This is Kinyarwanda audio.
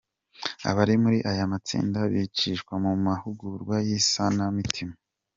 Abari muri aya matsinda bacishwa mu mahugurwa y’isanamitima.